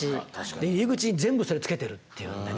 入り口に全部それ付けてるっていうんでね。